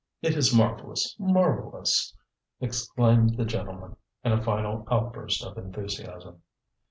"It is marvellous, marvellous!" exclaimed the gentleman, in a final outburst of enthusiasm.